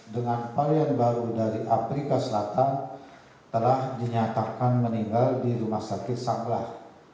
dengan varian baru dari afrika selatan telah dinyatakan meninggal di rumah sakit sanglah